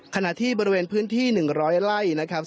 ขณะที่บริเวณพื้นที่๑๐๐ไร่นะครับ